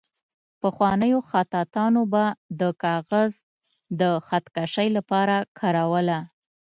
پخوانیو خطاطانو به د کاغذ د خط کشۍ لپاره کاروله.